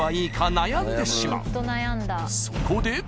［そこで］